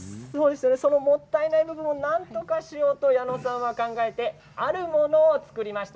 もったいない部分をなんとかしようと矢野さんは考えてあるものを作りました。